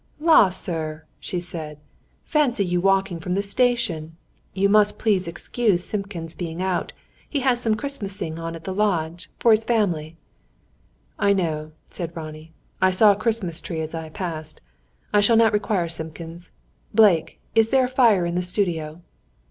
"La, sir!" she said. "Fancy you walking from the station! You must please to excuse Simpkins being out. He has some Christmasing on at the lodge, for his fam'ly." "I know," said Ronnie. "I saw a Christmas tree as I passed. I shall not require Simpkins. Blake, is there a fire in the studio?"